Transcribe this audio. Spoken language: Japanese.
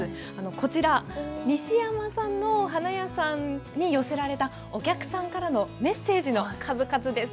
こちら、西山さんの花屋さんに寄せられた、お客さんからのメッセージの数々です。